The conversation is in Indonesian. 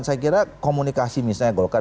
saya kira komunikasi misalnya golkar